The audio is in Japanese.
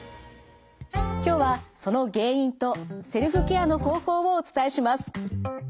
今日はその原因とセルフケアの方法をお伝えします。